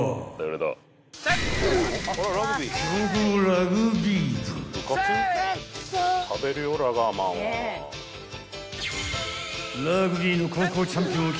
［ラグビーの高校チャンピオンを決める大会